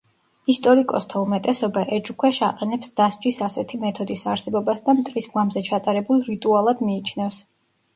ისტორიკოსთა უმეტესობა ეჭვქვეშ აყენებს დასჯის ასეთი მეთოდის არსებობას და მტრის გვამზე ჩატარებულ რიტუალად მიიჩნევს.